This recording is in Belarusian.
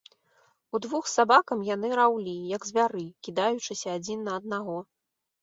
Удвух з сабакам яны раўлі, як звяры, кідаючыся адзін на аднаго.